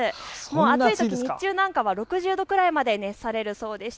暑いとき日中なんかは６０度くらいまで熱されるそうです。